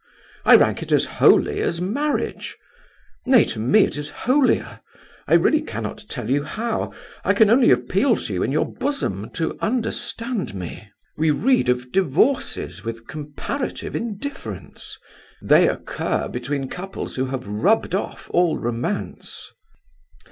I rank it as holy as marriage; nay, to me it is holier; I really cannot tell you how; I can only appeal to you in your bosom to understand me. We read of divorces with comparative indifference. They occur between couples who have rubbed off all romance."